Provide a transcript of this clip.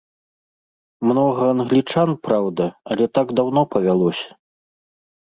Многа англічан, праўда, але так даўно павялося.